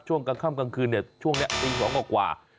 ช่วงกลางค่ำกลางคืนช่วงนี้ตี๒กว่า